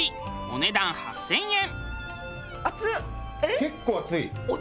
お値段８０００円。